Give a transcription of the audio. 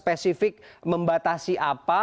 spesifik membatasi apa